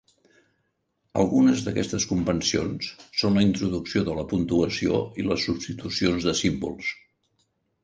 Algunes d'aquestes convencions són la introducció de la puntuació i les substitucions de símbols.